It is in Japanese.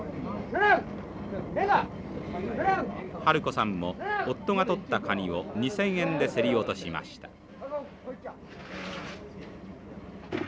はるこさんも夫が取ったカニを２，０００円で競り落としました。